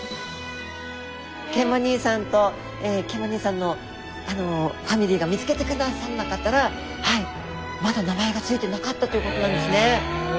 ケンマ兄さんとケンマ兄さんのファミリーが見つけてくださらなかったらまだ名前が付いてなかったということなんですね。